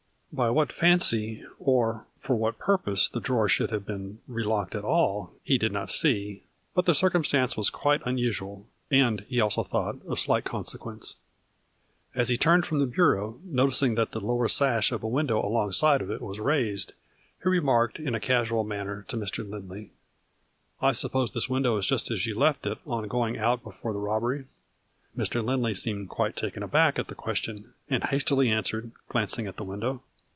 By what fancy, or for what purpose the drawer should have been relocked at all he did not see, " but the circumstance was quite unusual," and, he also thought, " of slight con sequence." As he turned from the bureau, noticing that the lower sash of a window alongside of it was raised, he remarked, in a casual manner, to Mr. Lindley, " I suppose this window is just as you left it on going out before the robbery ?" Mr. Lindley seemed quite taken aback at the question, and hastily answered, glancing at the window.